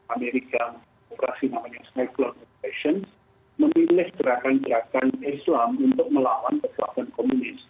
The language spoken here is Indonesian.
amerika operasi namanya scholar operation memilih gerakan gerakan islam untuk melawan kekuatan komunis